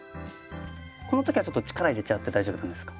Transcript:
この時はちょっと力入れちゃって大丈夫なんですか？